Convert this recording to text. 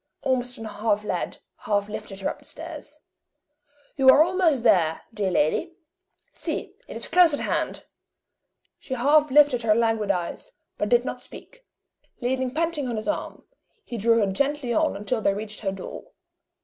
Ormiston half led, half lifted her up the stairs. "You are almost there, dear lady see, it is close at hand!" She half lifted her languid eyes, but did not speak. Leaning panting on his arm, he drew her gently on until they reached her door.